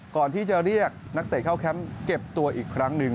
ก่อนที่จะเรียกนักเตะเข้าแคมป์เก็บตัวอีกครั้งหนึ่ง